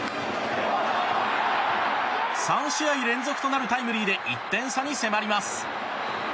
３試合連続となるタイムリーで１点差に迫ります。